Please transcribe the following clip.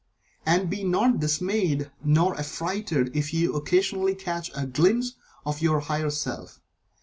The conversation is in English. And be not dismayed nor affrighted if you occasionally catch a glimpse of your higher self.